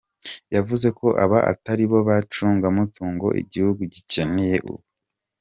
Yavuze ko aba atari bo bacungamutungo igihugu gikeneye ubu.